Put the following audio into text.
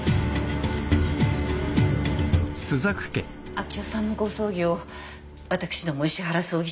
明生さんのご葬儀を私ども石原葬儀いえ